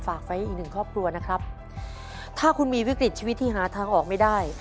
ฝากไว้อีกหนึ่งครอบครัวนะครับถ้าคุณมีวิกฤตชีวิตที่หาทางออกไม่ได้